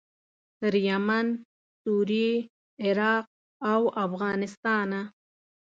تر یمن، سوریې، عراق او افغانستانه.